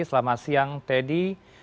selamat siang teddy